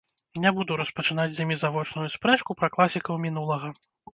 Не буду распачынаць з імі завочную спрэчку пра класікаў мінулага.